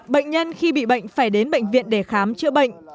bệnh nhân khi bị bệnh phải đến bệnh viện để khám chữa bệnh